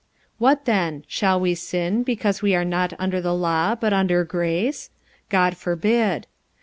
45:006:015 What then? shall we sin, because we are not under the law, but under grace? God forbid.